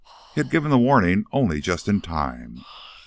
He had given the warning only just in time.